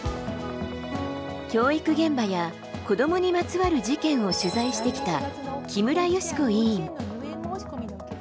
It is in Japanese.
教育現場や子どもにまつわる事件を取材してきた、木村祥子委員。